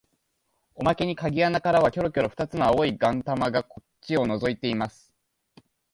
おまけに鍵穴からはきょろきょろ二つの青い眼玉がこっちをのぞいています